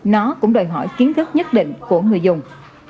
nó cũng đòi hỏi kiến thức nhất định của người dùng